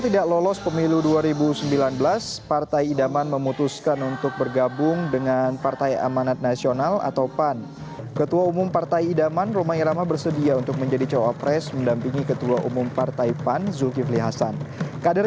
deklarasi dihadiri oleh anggota pihak bahkan pengurus partai idaman di tiga puluh empat provinsi seluruh indonesia juga hadir